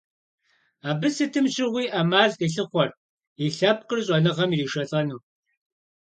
Абы сытым щыгъуи Ӏэмал къилъыхъуэрт и лъэпкъыр щӀэныгъэм иришэлӀэну.